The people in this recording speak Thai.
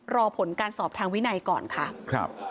รอผลการสอบทางวินัยก่อนค่ะ